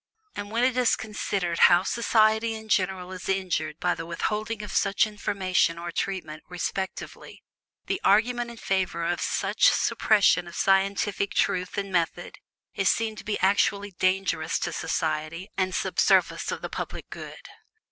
And when it is considered how society in general is injured by the withholding of such information or treatment, respectively, the argument in favor of such suppression of scientific truth and method is seen to be actually dangerous to society and sub service of the public good.